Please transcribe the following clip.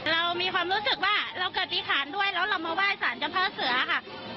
เรามีความรู้สึกว่าเรากำลังเกิดพิษภัณฑ์ด้วยเรามาไหว้สารเจ้าพ่อเสือค่ะ